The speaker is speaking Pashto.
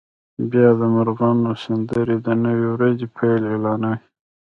بیا د مرغانو سندرې د نوې ورځې پیل اعلانوي